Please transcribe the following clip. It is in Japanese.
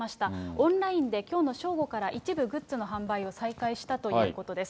オンラインできょうの正午から一部グッズの販売を再開したということです。